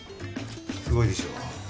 すごいでしょう。